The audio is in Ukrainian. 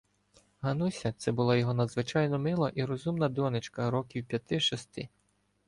Ганнуся — це була його надзвичайно мила і розумна донечка років п'яти-шести.